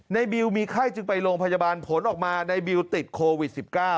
บิวมีไข้จึงไปโรงพยาบาลผลออกมาในบิวติดโควิด๑๙